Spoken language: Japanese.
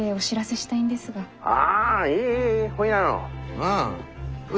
うん。